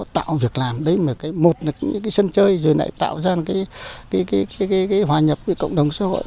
tạo việc làm một là sân chơi rồi lại tạo ra hòa nhập với cộng đồng xã hội